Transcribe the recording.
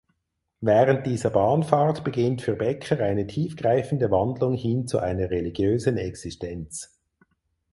Während dieser Bahnfahrt beginnt für Becker eine tiefgreifende Wandlung hin zu einer religiösen Existenz.